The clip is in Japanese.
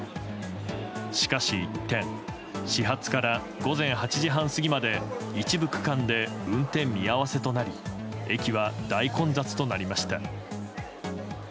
しかし一転始発から午前８時半過ぎまで一部区間で、運転見合わせとなり駅は大混雑となりました。